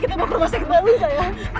kita bawa ke rumah sakit lagi ya